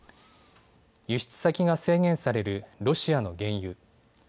輸出先が制限されるロシアの原油。